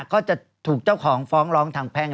ก็จะถูกเจ้าของฟ้องร้องทางแพ่ง